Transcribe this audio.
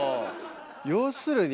要するに。